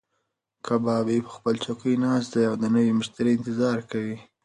کبابي په خپله چوکۍ ناست دی او د نوي مشتري انتظار کوي.